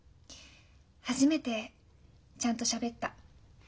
初めてちゃんとしゃべった。